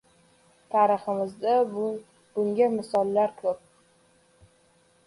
Tariximizda bunga misollar ko‘p.